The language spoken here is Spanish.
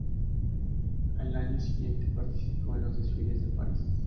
Al año siguiente, participó en los desfiles de París.